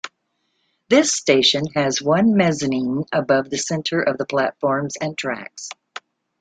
This station has one mezzanine above the center of the platforms and tracks.